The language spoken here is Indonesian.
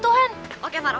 tahan apa ini